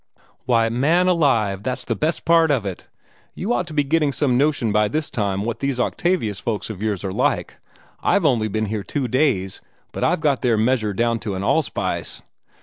"Why, man alive, that's the best part of it. You ought to be getting some notion by this time what these Octavius folks of yours are like. I've only been here two days, but I've got their measure down to an allspice.